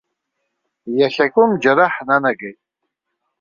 Иахьакәым џьара ҳнанагеит.